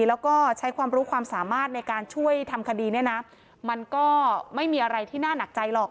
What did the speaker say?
แล้วก็ใช้ความรู้ความสามารถในการช่วยทำคดีเนี่ยนะมันก็ไม่มีอะไรที่น่าหนักใจหรอก